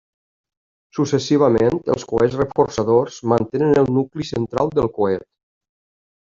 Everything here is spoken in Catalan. Successivament, els coets reforçadors mantenen el nucli central del coet.